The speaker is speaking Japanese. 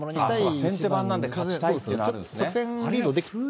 先手番なんで勝ちたいっていうのもあるんですね。